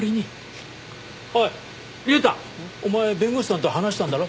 おい隆太お前弁護士さんと話したんだろ？